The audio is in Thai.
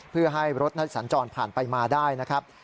เพื่อให้รถนั้นสัญจรผ่านไปมาได้นะครับ